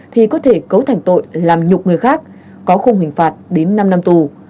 thì có thể cấu thành tội làm nhục người khác có khung hình phạt đến năm năm tù